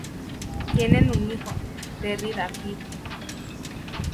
Tienen un hijo, Terry the Kid.